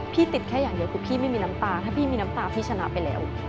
ติดแค่อย่างเดียวคือพี่ไม่มีน้ำตาถ้าพี่มีน้ำตาพี่ชนะไปแล้ว